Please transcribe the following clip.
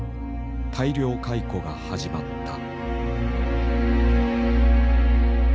大量解雇が始まった。